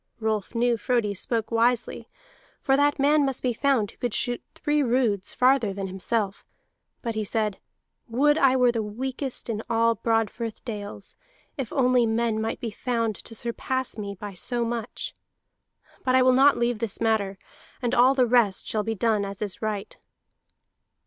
Rolf knew Frodi spoke wisely, for that man must be found who could shoot three roods farther than himself. But he said: "Would I were the weakest in all Broadfirth dales, if only men might be found to surpass me by so much. But I will not leave this matter, and all the rest shall be done as is right."